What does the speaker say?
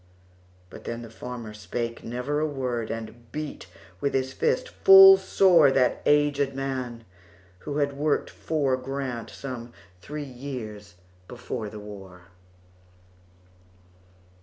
Then the farmer spake him never a word, But beat with his fist full soreThat aged man, who had worked for GrantSome three years before the war.